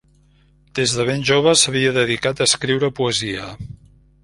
Des de ben jove s'havia dedicat a escriure poesia.